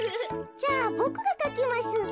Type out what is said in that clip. じゃあボクがかきます。